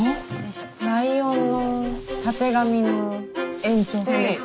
ライオンのたてがみの延長線です。